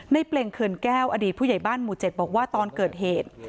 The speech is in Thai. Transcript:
เปล่งเขื่อนแก้วอดีตผู้ใหญ่บ้านหมู่๗บอกว่าตอนเกิดเหตุ